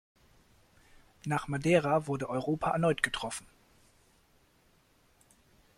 Nach Madeira wurde Europa erneut getroffen.